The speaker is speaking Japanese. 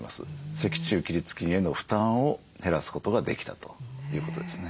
脊柱起立筋への負担を減らすことができたということですね。